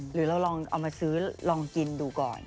หรือเราลองเอามาซื้อลองกินดูก่อน